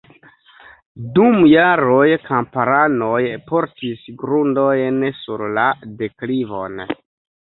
Dum jaroj kamparanoj portis grundojn sur la deklivon.